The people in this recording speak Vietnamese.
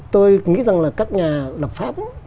tôi nghĩ rằng là các nhà lập pháp